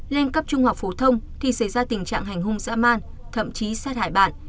lên cấp trung học phổ thông thì xảy ra tình trạng hành hung dã man thậm chí sát hại bạn